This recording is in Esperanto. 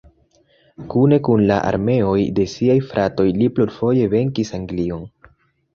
Kune kun la armeoj de siaj fratoj, li plurfoje venkis Anglion.